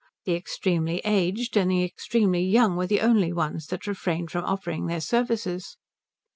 The extremely aged and the extremely young were the only ones that refrained from offering their services.